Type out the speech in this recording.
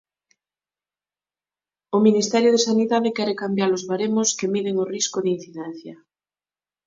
O Ministerio de Sanidade quere cambiar os baremos que miden o risco de incidencia.